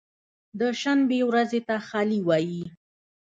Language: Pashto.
د شنبې ورځې ته خالي وایی